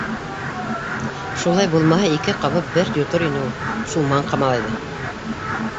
Шулай булмаһа, ике ҡабып бер йотор ине ул шул маңҡа малайҙы!